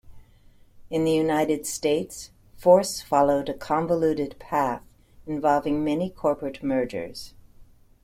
In the United States, Force followed a convoluted path involving many corporate mergers.